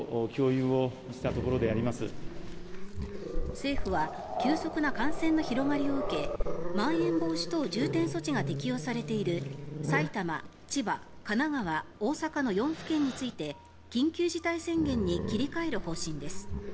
政府は急速な感染の広まりを受けまん延防止等重点措置が適用されている埼玉、千葉、神奈川、大阪の４府県について緊急事態宣言に切り替える方針です。